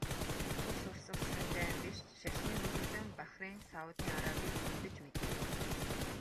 Цус урсгасан дайн биш ч шашны мөргөлдөөн Бахрейн, Саудын Арабыг хөндөж мэднэ.